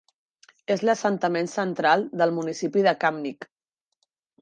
És l'assentament central del municipi de Kamnik.